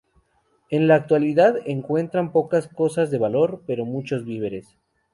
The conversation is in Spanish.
En la ciudad encuentran pocas cosas de valor, pero muchos víveres.